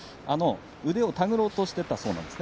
腕を手繰ろうとしていたそうです